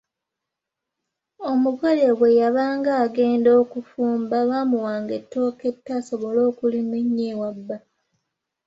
Omugole bwe yabanga aagenda okufumba bamuwanga ettooke etto asobole okulima ennyo ewa bba.